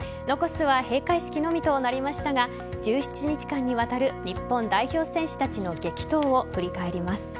残すは閉会式のみとなりましたが１７日間にわたる日本代表選手たちの激闘を振り返ります。